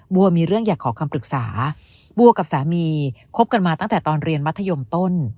วัวมีเรื่องอยากขอคำปรึกษาบัวกับสามีคบกันมาตั้งแต่ตอนเรียนมัธยมต้น